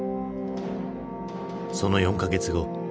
その４か月後。